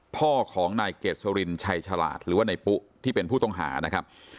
พ่อของนายเกษรินชัยฉลาดหรือว่านายปุ๊ที่เป็นผู้ต้องหานะครับ